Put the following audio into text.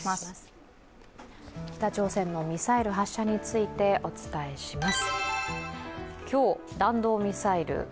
北朝鮮のミサイル発射について、お伝えします。